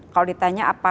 kalau ditanya apakah